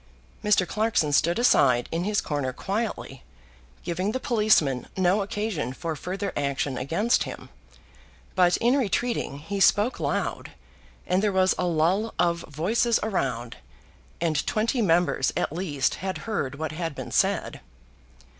Mr. Clarkson stood aside in his corner quietly, giving the policeman no occasion for further action against him; but in retreating he spoke loud, and there was a lull of voices around, and twenty members at least had heard what had been said.